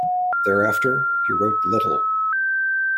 Thereafter he wrote little.